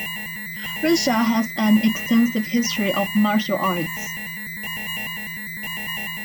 Russia has an extensive history of martial arts.